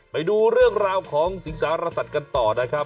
ไปดูเรื่องราวของสิงสารสัตว์กันต่อนะครับ